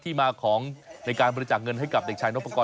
ที่มาของในการบริจาคเงินให้กับเด็กชายนพกรณ